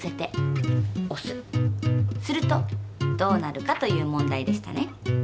するとどうなるかという問題でしたね。